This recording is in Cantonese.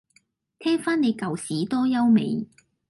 聽返你舊屎多優美